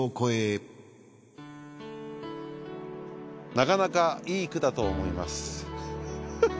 なかなかいい句だと思います。